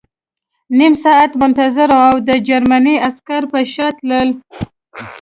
نیم ساعت منتظر وم او د جرمني عسکر په شا تلل